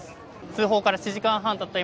通報から７時間たった